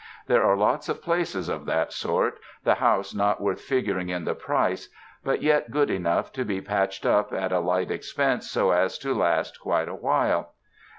There are lots of places of that sort, the house not worth figuring in the price, but yet good enough to be patched up at a light expense so as to last quite a while.